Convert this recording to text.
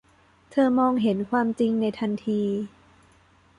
เธอมองเห็นความจริงในทันที